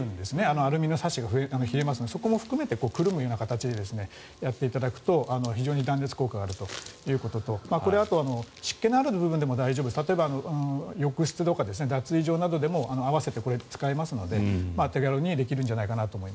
アルミのサッシが冷えますのでそこも含めて、くるむような形でやっていただくと非常に断熱効果があるということとあと湿気のある部分でも大丈夫例えば、浴室、脱衣所などでも併せて使えますので手軽にできるんじゃないかなと。